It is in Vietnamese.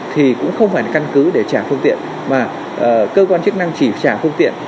thì cũng không phải là căn cứ để trả phương tiện mà cơ quan chức năng chỉ trả phương tiện